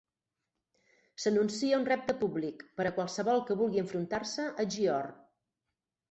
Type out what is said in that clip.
S'anuncia un repte públic per a qualsevol que vulgui enfrontar-se a Gyor.